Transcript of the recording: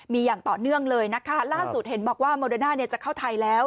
มีอย่างต่อเนื่องเลยนะคะล่าสุดเห็นบอกว่าโมเดอร์น่าจะเข้าไทยแล้ว